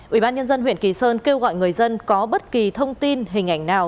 ubnd huyện kỳ sơn kêu gọi người dân có bất kỳ thông tin hình ảnh nào